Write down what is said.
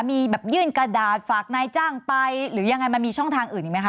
มีแบบยื่นกระดาษฝากนายจ้างไปหรือยังไงมันมีช่องทางอื่นอีกไหมคะ